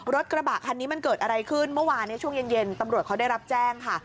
รถกระบะคันนี้มันเกิดอะไรขึ้นเมื่อวานในช่วงเย็นตำรวจเขาได้รับแจ้งค่ะ